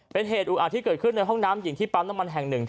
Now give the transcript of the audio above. เป็นเหตุอุกอาจที่เกิดขึ้นในห้องน้ำหญิงที่ปั๊มน้ำมันแห่งหนึ่ง